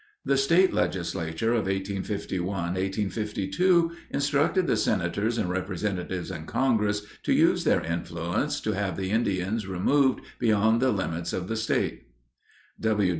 The state legislature of 1851 1852 instructed the senators and representatives in congress to use their influence to have the Indians removed beyond the limits of the state.